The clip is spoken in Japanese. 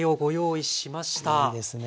いいですね。